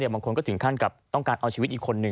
บางคนก็ถึงขั้นกับต้องการเอาชีวิตอีกคนหนึ่ง